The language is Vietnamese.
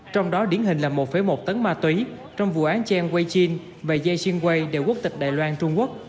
trong đó điển hình là một một tấn ma túy trong vụ án chen weijin và dây xuyên quay đều quốc tịch đài loan trung quốc